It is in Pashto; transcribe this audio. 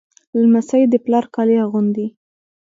لمسی د پلار کالي اغوندي.